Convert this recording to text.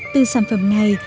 từ sản phẩm này